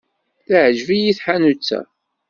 Teɛjeb-iyi tḥanut-a.